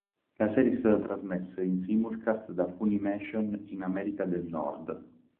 La serie è stata trasmessa in simulcast da Funimation in America del Nord.